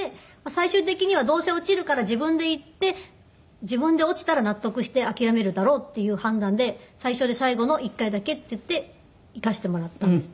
最終的にはどうせ落ちるから自分で行って自分で落ちたら納得して諦めるだろうっていう判断で最初で最後の１回だけっていって行かせてもらったんです。